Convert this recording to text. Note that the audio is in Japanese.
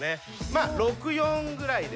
まあ６対４ぐらいで。